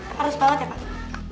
harus banget ya pak